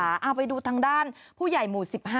เอาไปดูทางด้านผู้ใหญ่หมู่๑๕